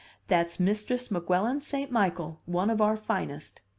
That's Mistress Weguelin St. Michael, one of our finest."